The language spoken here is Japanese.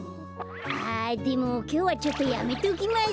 あでもきょうはちょっとやめときます。